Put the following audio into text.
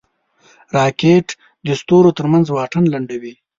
راکټ د ستورو ترمنځ واټن لنډوي